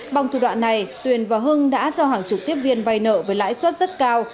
bằng thủ đoạn này tuyền và hưng đã cho hàng chục tiếp viên vay nợ với lãi suất rất cao